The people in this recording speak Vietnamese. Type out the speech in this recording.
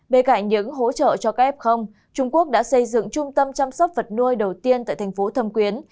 bên cạnh những hỗ trợ cho các f trung quốc đã xây dựng trung tâm chăm sóc vật nuôi đầu tiên tại thành phố thâm quyến